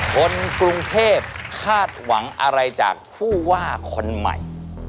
คนกรุงเทพคาดหวังอะไรจากผู้ว่าคนใหม่